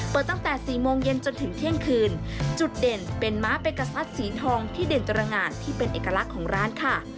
ตั้งแต่สี่โมงเย็นจนถึงเที่ยงคืนจุดเด่นเป็นม้าเปกะซัดสีทองที่เด่นตรงานที่เป็นเอกลักษณ์ของร้านค่ะ